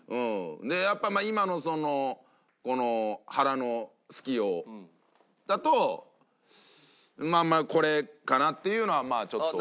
やっぱ今のその腹のすきようだとまあまあこれかなっていうのはまあちょっと。